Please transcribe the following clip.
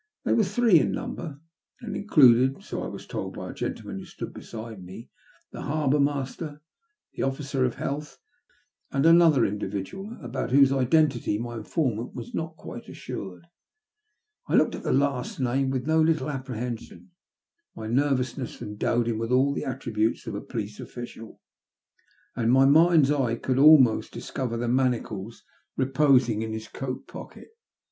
They were three in number, and included — so I was told by a gentleman who stood beside me — the harbour master, the officer of health, and another individual, about whose identity my informant was not quite assured. I looked at the last named with no little apprehension ; my nervous ness endowed him with all the attributes of a police official, and my mind's eye could almost discover the manacles reposing in his coat pocket.